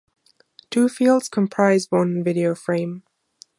Two fields comprise one video frame.